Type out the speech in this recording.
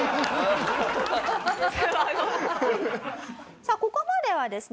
さあここまではですね